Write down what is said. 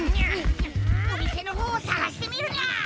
お店の方を探してみるにゃ！